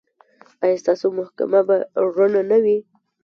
ایا ستاسو محکمه به رڼه نه وي؟